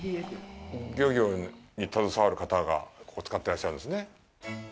漁業に携わる方がここを使っていらっしゃるんですね。